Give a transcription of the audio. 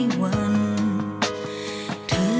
อินโทรเพลงที่๓มูลค่า๔๐๐๐๐บาทมาเลยครับ